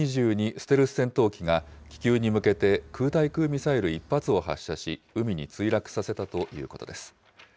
ステルス戦闘機が、気球に向けて空対空ミサイル１発を発射し、海に墜落させたということです。